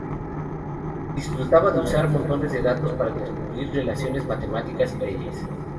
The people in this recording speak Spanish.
Disfrutaba de usar montones de datos para descubrir relaciones matemáticas y leyes.